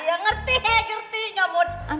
iya ngerti ngerti nyamud